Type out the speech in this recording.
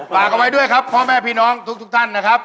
ฝากเอาไว้ด้วยครับพ่อแม่พี่น้องทุกท่านนะครับ